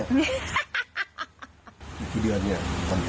นักขี้เดือนนี้วันพ่อ